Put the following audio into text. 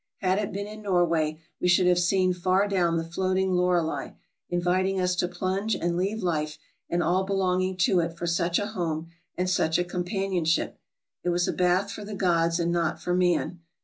Had it been in Norway, we should have seen far down the floating Lorelei, inviting us to plunge and leave life and all belong ing to it for such a home and such a companionship. It was a bath for the gods and not for man.